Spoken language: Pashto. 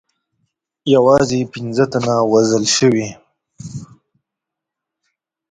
یوازې پنځه تنه وژل سوي.